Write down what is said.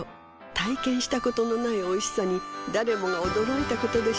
体験したことのないおいしさに誰もが驚いたことでしょう